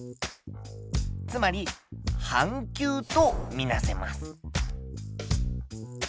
つまり半球とみなせます。